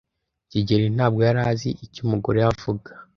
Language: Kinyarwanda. kigeli ntabwo yari azi icyo umugore avuga.